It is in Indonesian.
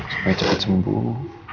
supaya cepat sembuh